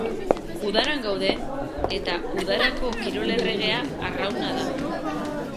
Udaran gaude eta udarako kirol erregea arrauna da.